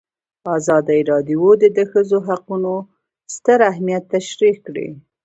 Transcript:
ازادي راډیو د د ښځو حقونه ستر اهميت تشریح کړی.